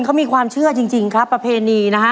เขามีความเชื่อจริงครับประเพณีนะฮะ